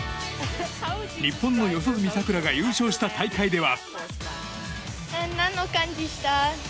日本の四十住さくらが優勝した大会では。